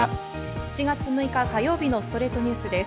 ７月６日、火曜日の『ストレイトニュース』です。